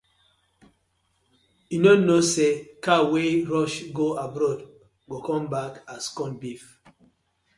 Yu no kno say cow wey rush go abroad go come back as corn beef.